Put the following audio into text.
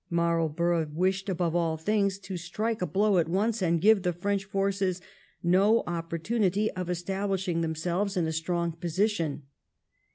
Marlborough wished above all things to strike a blow at once and give the French forces no opportunity of establishing 26 THE EEIGN OF QUEEN ANNE. oh. xxn. themselves in a strong position.